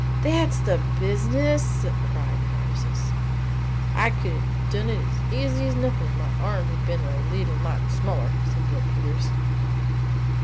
"That's the business!" cried Moses. "I could 'a' done it as easy as nothin' if my arm had been a leetle mite smaller," said Bill Peters.